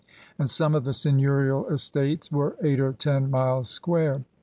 '' And some of the seigneurial estates were eight or ten miles square!